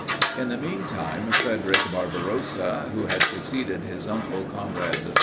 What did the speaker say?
In the meantime Frederic Barbarossa, who had succeeded his uncle Conrad III.